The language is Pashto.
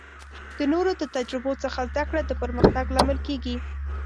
د نورو د تجربو څخه زده کړه د پرمختګ لامل کیږي.